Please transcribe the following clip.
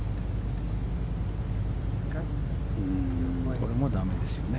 これも駄目ですよね。